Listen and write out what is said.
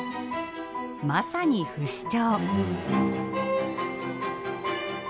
まさに不死鳥。